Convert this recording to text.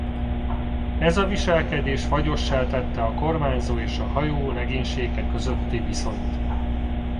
Ez a viselkedés fagyossá tette a kormányzó és hajó legénysége közötti viszonyt.